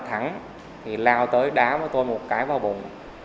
thắng thì lao tới đá với tôi một cái vào vùng